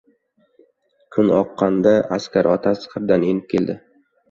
Kun oqqanda askar otasi qirdan enib keldi.